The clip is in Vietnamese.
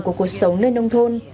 của cuộc sống nơi nông thôn